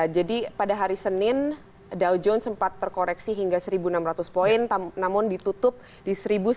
jadi pada hari senin dow jones sempat terkoreksi hingga satu enam ratus poin namun ditutup di satu satu ratus tujuh puluh lima